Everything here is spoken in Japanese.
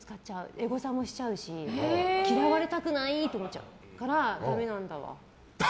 エゴサもしちゃうし嫌われたくないって思っちゃうから、ダメなんだわ。